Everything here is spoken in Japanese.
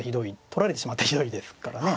取られてしまってはひどいですからね。